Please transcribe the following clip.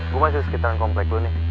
gue masih di sekitaran komplek lo nih